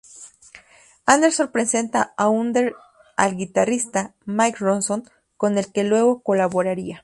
Anderson presenta a Hunter al guitarrista Mick Ronson, con el que luego colaboraría.